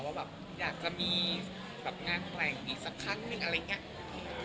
ว่าอยากจะมีงานแข็งแรงอีกสักครั้งหนึ่งอะไรอย่างนี้